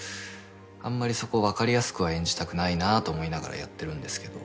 あんまりそこ分かりやすくは演じたくないなと思いながらやってるんですけど。